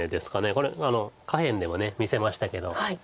これ下辺でも見せましたけど。